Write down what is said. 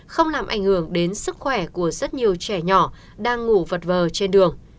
không làm ảnh hưởng đến sức khỏe của rất nhiều trẻ nhỏ đang ngủ vật vờ trên đường